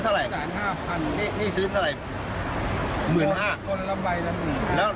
เท่าไรสามห้าพันนี่นี่ซื้อเท่าไรหมื่นห้าคนละละแล้ว